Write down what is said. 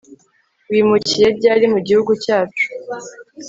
Wimukiye ryari mu gihugu cyacu